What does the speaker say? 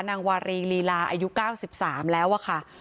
นางวารีลีลาอายุ๙๓แล้วอะค่ะ